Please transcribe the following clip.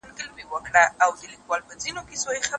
لمبو کي وسوځېد.